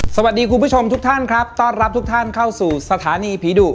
คุณผู้ชมทุกท่านครับต้อนรับทุกท่านเข้าสู่สถานีผีดุ